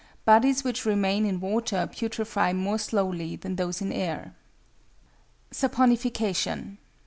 Bodies which remain in water putrefy more slowly than those in air. =Saponification.